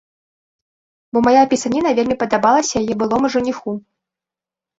Бо мая пісаніна вельмі падабалася яе былому жаніху.